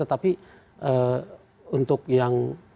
tetapi untuk yang